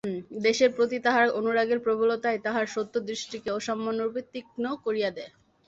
দেশের প্রতি তাহার অনুরাগের প্রবলতাই তাহার সত্যদৃষ্টিকে অসামান্যরূপে তীক্ষ্ণ করিয়া দেয়।